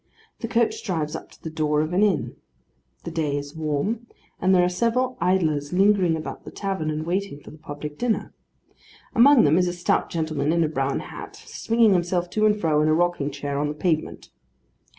The coach drives up to the door of an inn. The day is warm, and there are several idlers lingering about the tavern, and waiting for the public dinner. Among them, is a stout gentleman in a brown hat, swinging himself to and fro in a rocking chair on the pavement.